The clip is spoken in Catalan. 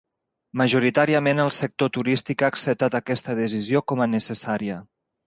Majoritàriament, el sector turístic ha acceptat aquesta decisió com a "necessària".